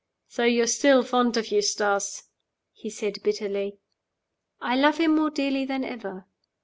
"So you are still fond of Eustace?" he said, bitterly. "I love him more dearly than ever."